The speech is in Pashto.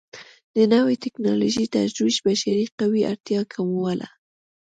د نوې ټکنالوژۍ ترویج بشري قوې اړتیا کموله.